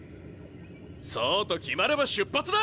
そうと決まれば出発だ！